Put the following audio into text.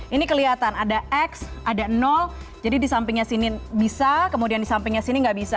ini kelihatan ada x ada nol jadi di sampingnya sini bisa kemudian di sampingnya sini nggak bisa